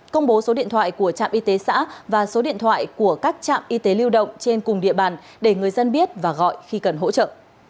công bố số điện thoại của trạm y tế xã và số điện thoại của các trạm y tế lưu động trên cùng địa bàn để người dân biết và gọi khi cần hỗ trợ